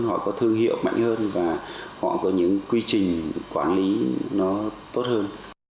họ có thương hiệu mạnh hơn và họ có những quy trình quản lý nó tốt hơn